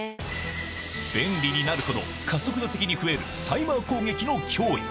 便利になるほど加速度的に増えるサイバー攻撃の脅威。